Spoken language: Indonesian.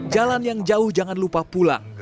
jalan yang jauh jangan lupa pulang